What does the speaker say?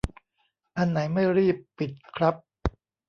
อันไหนไม่รีบ ปิด ครับ